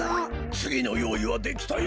つぎのよういはできたよ。